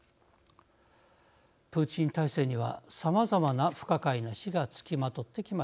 プーチン体制にはさまざまな不可解な死が付きまとってきました。